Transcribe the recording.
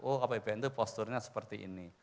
oh apbn itu posturnya seperti ini